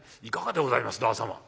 いかがでございます旦様